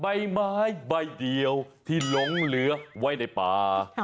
ใบไม้ใบเดียวที่หลงเหลือไว้ในป่า